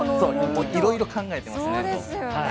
いろいろと考えてますね。